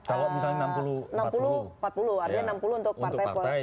empat puluh artinya enam puluh untuk partai partai